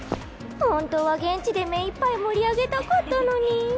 ホントは現地でめいっぱい盛り上げたかったのに。